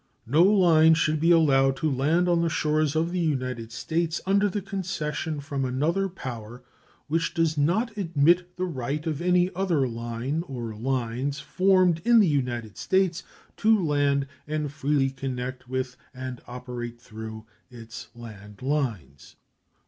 No line should be allowed to land on the shores of the United States under the concession from another power which does not admit the right of any other line or lines, formed in the United States, to land and freely connect with and operate through its land lines.